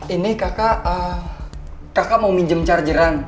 ini kakak kakak mau minjem chargeran